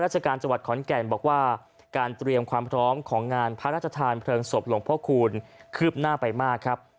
ราชการจังหวัดขอนแก่นบอกว่าการเตรียมความพร้อมของงานพระราชทานเพลิงศพหลวงพ่อคูณคืบหน้าไปมากครับ